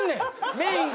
メインが。